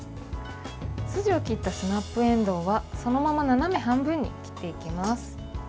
筋を切ったスナップえんどうはそのまま斜め半分に切っていきます。